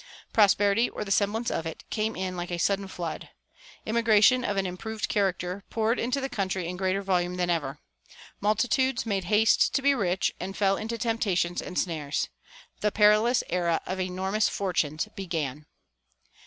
Prosperity, or the semblance of it, came in like a sudden flood. Immigration of an improved character poured into the country in greater volume than ever. Multitudes made haste to be rich, and fell into temptations and snares. The perilous era of enormous fortunes began.